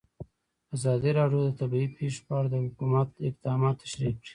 ازادي راډیو د طبیعي پېښې په اړه د حکومت اقدامات تشریح کړي.